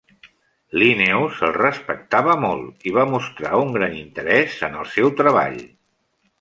Linnaeus el respectava molt i va mostrar un gran interès en el seu treball.